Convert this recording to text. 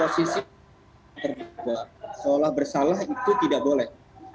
seolah bersalah itu tidak boleh